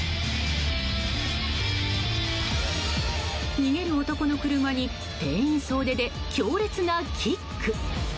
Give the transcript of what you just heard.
逃げる男の車に店員総出で強烈なキック。